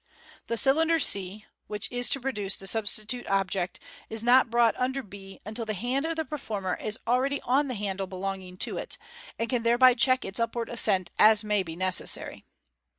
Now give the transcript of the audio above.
The cylinder c, which is to produce the substitute object, is not brought under 6 until the hand of the per former is already on the handle belonging to it, and can thereby check its upward ascent as may be necessary.